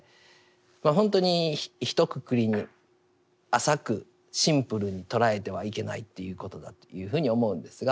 ほんとにひとくくりに浅くシンプルに捉えてはいけないということだというふうに思うんですが。